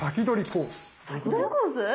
「先取りコース」？